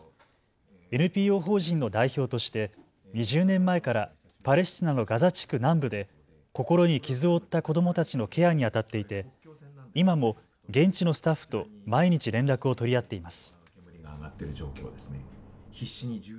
ＮＰＯ法人の代表として２０年前からパレスチナのガザ地区南部で心に傷を負った子どもたちのケアにあたっていて今も現地のスタッフと毎日連絡を取り合っています。